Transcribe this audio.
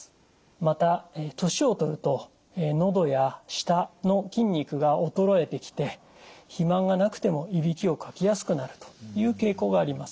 また年を取るとのどや舌の筋肉が衰えてきて肥満がなくてもいびきをかきやすくなるという傾向があります。